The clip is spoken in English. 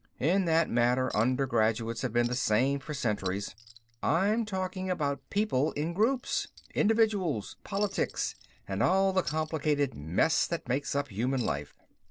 In that matter undergraduates have been the same for centuries. I'm talking about people in groups, individuals, politics, and all the complicated mess that makes up human life.